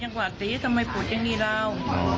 จนกว่าสิทำไมผูดยังนี่แล้ว